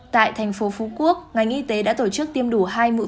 tại thành phố phú quốc ngành y tế đã tổ chức tiêm đủ hai mũi